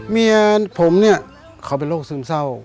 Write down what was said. เมียผมเนี่ยเขาเป็นโรคซึมเศร้า